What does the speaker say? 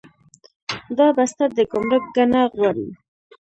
دا بسته د ګمرک ګڼه غواړي.